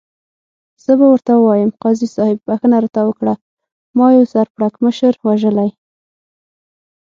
زه به ورته ووایم، قاضي صاحب بخښنه راته وکړه، ما یو سر پړکمشر وژلی.